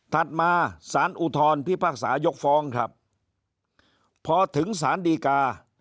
มาสารอุทธรพิพากษายกฟ้องครับพอถึงสารดีกา